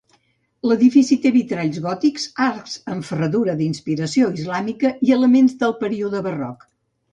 L'edifici té vitralls gòtics, arcs en ferradura d'inspiració islàmica i elements del període barroc.